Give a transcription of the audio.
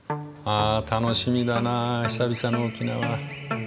あ楽しみだな久々の沖縄。